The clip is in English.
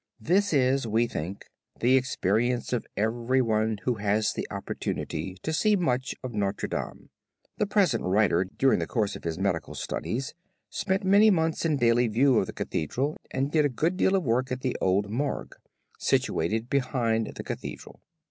This is we think the experience of everyone who has the opportunity to see much of Notre Dame. The present writer during the course of his medical studies spent many months in daily view of the Cathedral and did a good deal of work at the old Morgue, situated behind the Cathedral.